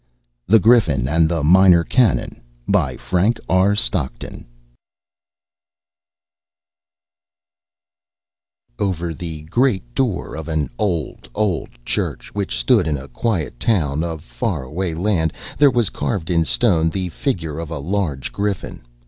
THE GRIFFIN AND THE MINOR CANAAN By Frank R. Stockton (1834 1902) Over the great door of an old, old church which stood in a quiet town of a far away land there was carved in stone the figure of a large griffin.